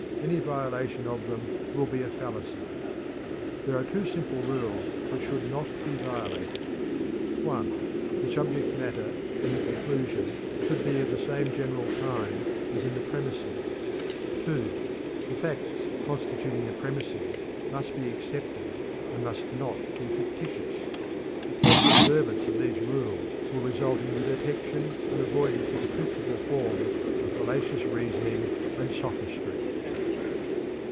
Any violation of them will be a fallacy. There are two simple rules which should not be violated: (1) The subject matter in the conclusion should be of the same general kind as in the premises; (2) the facts constituting the premises must be accepted and must not be fictitious." A close observance of these rules will result in the detection and avoidance of the principal forms of fallacious reasoning and sophistry.